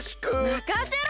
まかせろ！